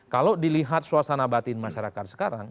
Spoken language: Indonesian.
kalau dilihat suasana batin masyarakat sekarang